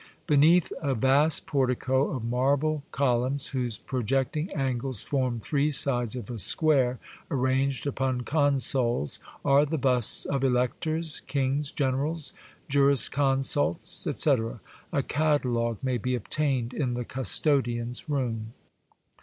Beneath a vast portico The Blind Emperor. o^j of marble columns whose projecting angles form three sides of a square, arranged upon consoles, are the busts of electors, kings, generals, juriscon sults, etc. A catalogue may be obtained in the custodian's room.